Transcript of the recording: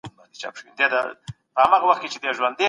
موږ د پرمختګ نوې لاري لټولي.